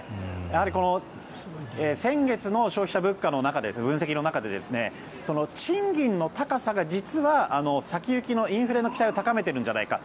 やはり、先月の消費者物価の分析の中で賃金の高さが実は先行きのインフレの期待を高めているんじゃないか。